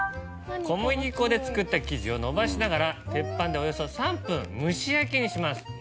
小麦粉で作った生地をのばしながら鉄板でおよそ３分蒸し焼きにします。